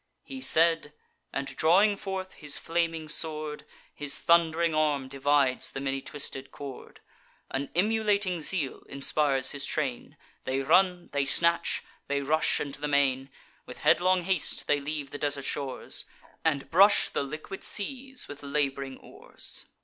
He said: and, drawing forth his flaming sword, His thund'ring arm divides the many twisted cord. An emulating zeal inspires his train: They run; they snatch; they rush into the main. With headlong haste they leave the desert shores, And brush the liquid seas with lab'ring oars.